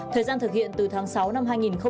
thời gian thực hiện từ tháng sáu năm hai nghìn hai mươi